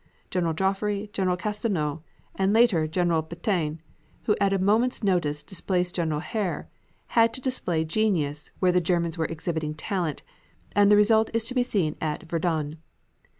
General Joffre, General Castelnau and, later, General Petain, who at a moment's notice displaced General Herr had to display genius where the Germans were exhibiting talent, and the result is to be seen at Verdun.